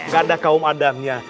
gak ada kaum adamnya